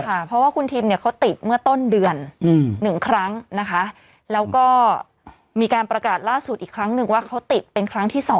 เพราะว่าคุณทิมเนี่ยเขาติดเมื่อต้นเดือน๑ครั้งนะคะแล้วก็มีการประกาศล่าสุดอีกครั้งหนึ่งว่าเขาติดเป็นครั้งที่๒